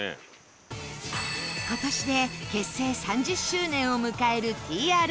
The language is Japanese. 今年で結成３０周年を迎える ＴＲＦ